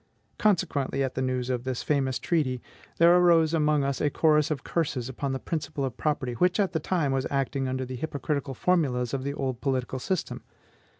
Consequently, at the news of this famous treaty, there arose among us a chorus of curses upon the principle of property, which at that time was acting under the hypocritical formulas of the old political system.